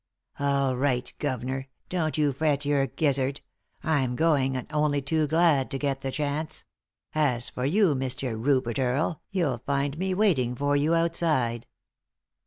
"All 'right, guVnor, don't you fret your gizzard; I'm going, and only too glad to get the chance. As for you, Mr. Rupert Earle, you'll find me waiting for you outside."